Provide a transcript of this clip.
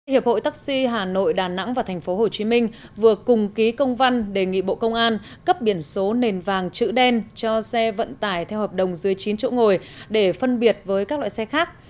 hiệp hội taxi hà nội đà nẵng và tp hcm vừa cùng ký công văn đề nghị bộ công an cấp biển số nền vàng chữ đen cho xe vận tải theo hợp đồng dưới chín chỗ ngồi để phân biệt với các loại xe khác